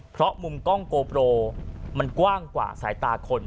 เพราะมุมกล้องโกโปรมันกว้างกว่าสายตาคน